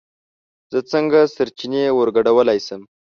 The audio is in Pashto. زه څنگه سرچينې ورگډولی شم